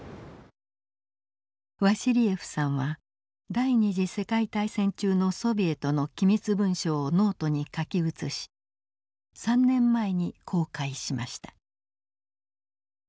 ワシリエフさんは第２次世界大戦中のソビエトの機密文書をノートに書き写し３年前に公開しました。